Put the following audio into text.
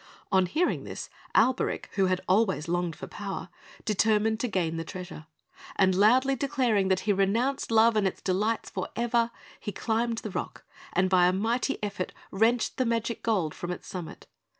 On hearing this, Alberic, who had always longed for power, determined to gain the treasure; and loudly declaring that he renounced love and its delights for ever, he climbed the rock, and by a mighty effort wrenched the magic gold from its summit.